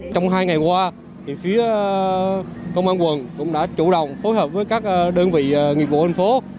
trong hai ngày qua phía công an quận cũng đã chủ động phối hợp với các đơn vị nghiệp vụ thành phố